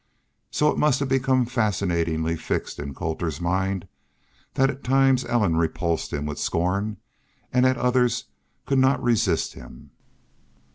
So it must have become fascinatingly fixed in Colter's mind that at times Ellen repulsed him with scorn and at others could not resist him.